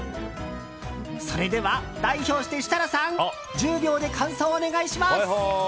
それでは代表して、設楽さん１０秒で感想をお願いします。